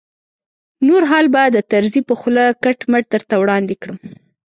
نور حال به د طرزي په خوله کټ مټ درته وړاندې کړم.